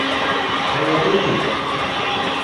“Qayerda eding?”